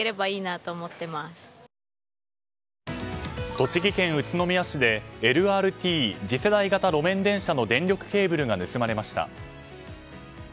栃木県宇都宮市でＬＲＴ・次世代型路面電車の電力ケーブルが盗まれました。